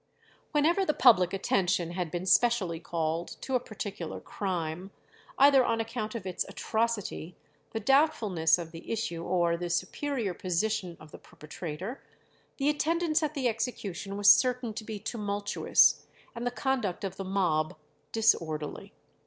Whenever the public attention had been specially called to a particular crime, either on account of its atrocity, the doubtfulness of the issue, or the superior position of the perpetrator, the attendance at the execution was certain to be tumultuous, and the conduct of the mob disorderly.